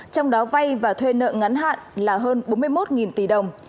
trong đó vay và thuê nợ ngắn hạn là hơn bốn mươi một tỷ đồng